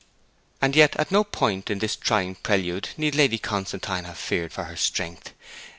And yet, at no point of this trying prelude need Lady Constantine have feared for her strength.